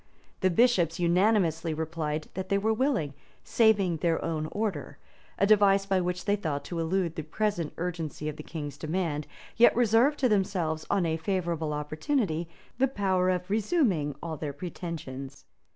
The bishops unanimously replied, that they were willing, "saving their own order;" a device by which they thought to elude the present urgency of the king's demand, yet reserve to themselves, on a favorable opportunity, the power of resuming all their pretensions.